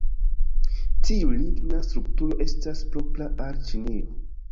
Tiu ligna strukturo estas propra al Ĉinio.